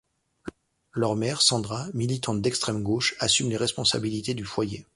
Leur mère, Sandra, militante d’extrême gauche, assume les responsabilités du foyer.